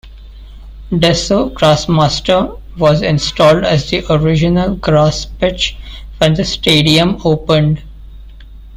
Desso GrassMaster was installed as the original grass pitch when the stadium opened.